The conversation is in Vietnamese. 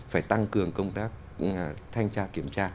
phải tăng cường công tác thanh tra kiểm tra